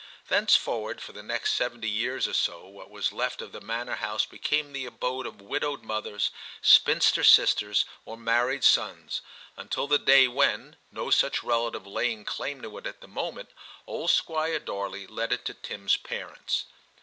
Thenceforward for the next seventy years or so, what was left of the manor house became the abode of widowed mothers, spinster sisters, or married sons, until the day when, no such relative laying claim to it at the moment, old Squire Darley let it to Tim's parents.